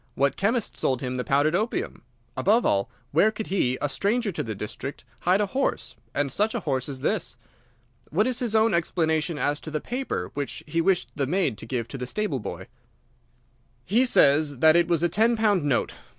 What chemist sold him the powdered opium? Above all, where could he, a stranger to the district, hide a horse, and such a horse as this? What is his own explanation as to the paper which he wished the maid to give to the stable boy?" "He says that it was a ten pound note.